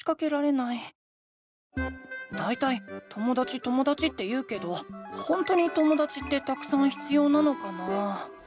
だいたいともだちともだちって言うけどほんとにともだちってたくさん必要なのかな？